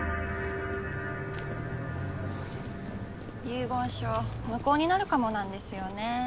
遺言書無効になるかもなんですよね。